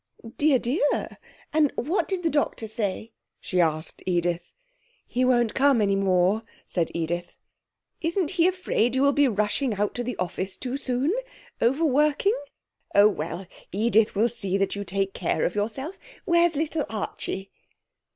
'Dear, dear! And what did the doctor say?' she asked Edith. 'He won't come any more,' said Edith. 'Isn't he afraid you will be rushing out to the office too soon over working? Oh well, Edith will see that you take care of yourself. Where's little Archie?'